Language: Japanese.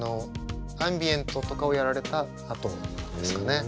アンビエントとかをやられたあとですかね。